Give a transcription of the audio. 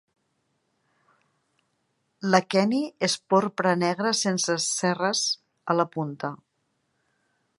L'aqueni és porpra-negre, sense cerres a la punta.